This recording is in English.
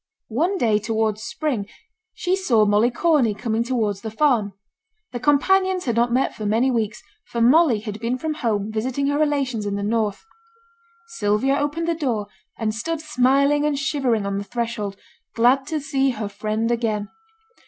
One day towards spring, she saw Molly Corney coming towards the farm. The companions had not met for many weeks, for Molly had been from home visiting her relations in the north. Sylvia opened the door, and stood smiling and shivering on the threshold, glad to see her friend again.